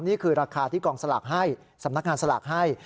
นี่คือราคาที่กองสลากให้สำนักงานสลากให้